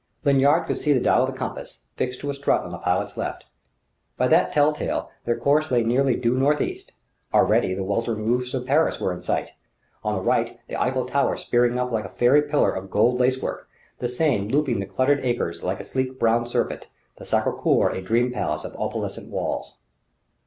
Lanyard could see the dial of the compass, fixed to a strut on the pilot's left. By that telltale their course lay nearly due northeast. Already the weltering roofs of Paris were in sight, to the right, the Eiffel Tower spearing up like a fairy pillar of gold lace work, the Seine looping the cluttered acres like a sleek brown serpent, the Sacré Coeur a dream palace of opalescent walls.